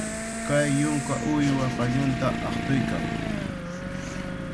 Kay yunka uywa qallunta aqtuykan.